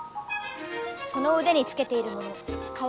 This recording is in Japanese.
そのうでにつけているものかわいい。